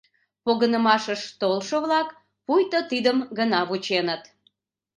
Погынымашыш толшо-влак пуйто тидым гына вученыт.